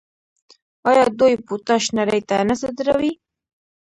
آیا دوی پوټاش نړۍ ته نه صادروي؟